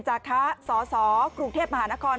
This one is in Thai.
จากคะสสกรุงเทพมหานคร